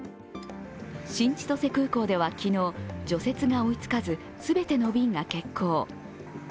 新千歳空港では昨日、除雪が追いつかず全ての便が欠航。